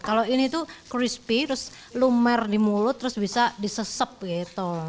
kalau ini tuh crispy terus lumer di mulut terus bisa disesep gitu